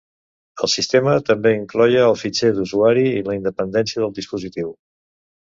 El sistema també incloïa el fitxer d'usuari i la independència del dispositiu.